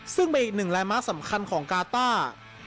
ซึ่งเป็นอีกหนึ่งแรงม้าสำคัญของการ์ต้า